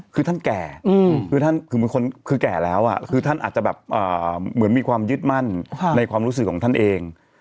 คือท่านอาจจะแบบเหมือนมีความยึดมั่นในความรู้สึกของท่านเอง